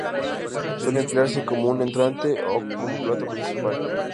Suele emplearse como un entrante o como plato principal.